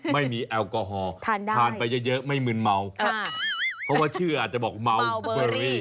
ไม่มีแอลกอฮอล์ทานไปเยอะไม่มืนเมาเพราะว่าชื่ออาจจะบอกเมาเบอรี่